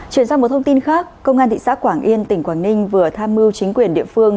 chuyển sang một thông tin khác công an thị xã quảng yên tỉnh quảng ninh vừa tham mưu chính quyền địa phương